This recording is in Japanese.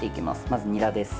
まず、にらです。